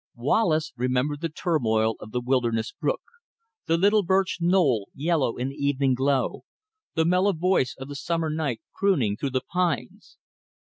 Wallace remembered the turmoil of the wilderness brook; the little birch knoll, yellow in the evening glow; the mellow voice of the summer night crooning through the pines.